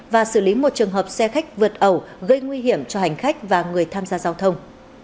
và xử lý một trường hợp xe khách vượt ẩu gây nguy hiểm cho hành khách và người tham gia giao thông